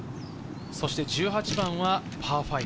そして１８番はパー５。